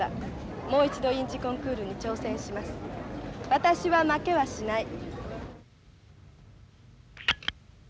私は負けはしない。